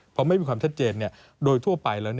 พอไม่มีความชัดเจนโดยทั่วไปแล้ว